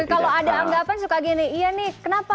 kalau ada anggapan suka gini iya nih kenapa